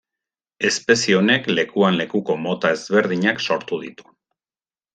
Espezie honek lekuan lekuko mota ezberdinak sortu ditu.